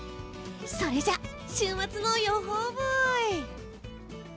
それじゃ、週末の予報ブイ！